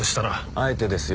あえてですよ。